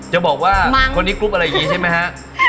จะบอกว่าคนนี้กลุ่บอะไรอื่นใช่ไหมคะ